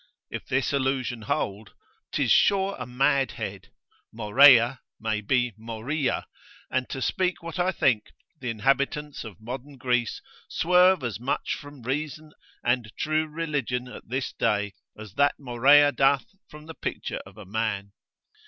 If this allusion hold, 'tis sure a mad head; Morea may be Moria; and to speak what I think, the inhabitants of modern Greece swerve as much from reason and true religion at this day, as that Morea doth from the picture of a man.